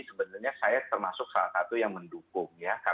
sebenarnya saya termasuk salah satu yang mendukung ya